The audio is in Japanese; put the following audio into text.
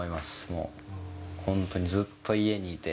もう、本当にずっと家にいて。